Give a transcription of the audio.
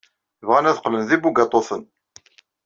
Bɣan ad qqlen d ibugaṭuten.